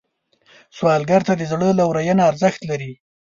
سوالګر ته د زړه لورینه ارزښت لري